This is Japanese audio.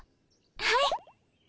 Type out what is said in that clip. はい！